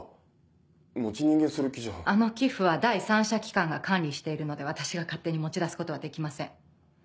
あの寄付は第三者機関が管理しているので私が勝手に持ち出すことはできません。